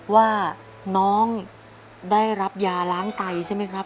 ว่าน้องได้รับยาล้างไตใช่ไหมครับ